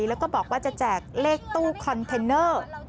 แล้วก็บอกว่าจะแจกเลขตู้คอนเทนเนอร์